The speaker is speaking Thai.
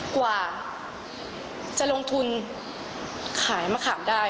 กว่าจะลงทุนขายมะขามได้